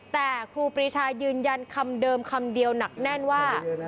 แต่ครูปรีชายืนยันคำเดิมคำเดียวหนักแน่นว่า